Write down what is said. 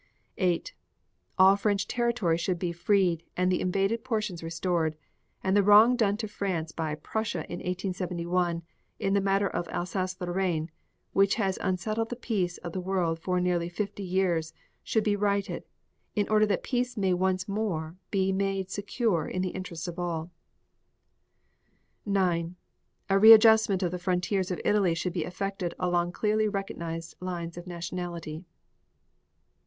8. All French territory should be freed and the invaded portions restored, and the wrong done to France by Prussia in 1871, in the matter of Alsace Lorraine, which has unsettled the peace of the world for nearly fifty years, should be righted, in order that peace may once more be made secure in the interests of all. 9. A readjustment of the frontiers of Italy should be effected along clearly recognized lines of nationality.